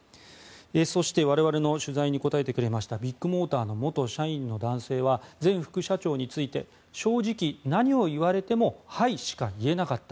そして我々の取材に答えてくれましたビッグモーターの元社員の男性は前副社長について正直、何を言われてもはいしか言えなかった。